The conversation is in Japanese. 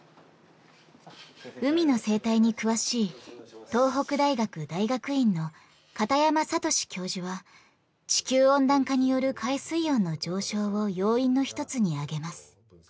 海の生態に詳しい東北大学大学院の片山知史教授は地球温暖化による海水温の上昇を要因の一つに挙げます。